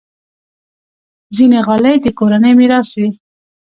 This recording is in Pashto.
ځینې غالۍ د کورنۍ میراث وي.